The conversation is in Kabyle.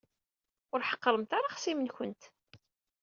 Ur ḥeqqṛemt ara axṣim-nkent.